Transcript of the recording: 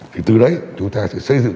thì từ đấy chúng ta sẽ xây dựng